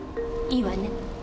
いいわね。